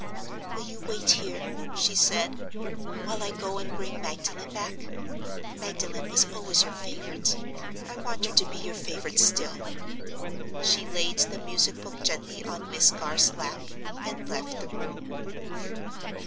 "Will you wait here," she said, "while I go and bring Magdalen back? Magdalen was always your favorite: I want her to be your favorite still." She laid the music book gently on Miss Garth's lap—and left the room.